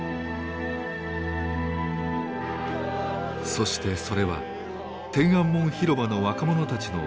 そしてそれは天安門広場の若者たちの運命